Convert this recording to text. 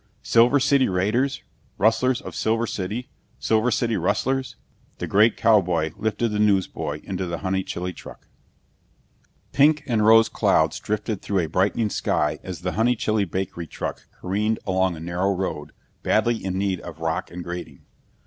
"Silver City Raiders, Rustlers of Silver City, Silver City Rustlers " The great cowboy lifted the newsboy into the Honeychile truck. Pink and rose clouds drifted through a brightening sky as the Honeychile Bakery truck careened along a narrow road badly in need of rock and grading.